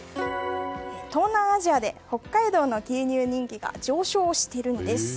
東南アジアで北海道の牛乳人気が上昇しているんです。